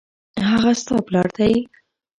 هغه ستا پلار دی